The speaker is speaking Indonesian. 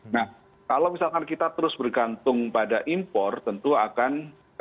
nah kalau misalkan kita terus bergantung pada impor tentu akan